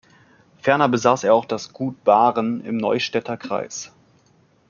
Ferner besaß er auch das Gut Bahren im Neustädter Kreis.